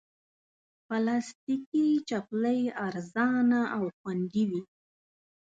پلاستيکي چپلی ارزانه او خوندې وي.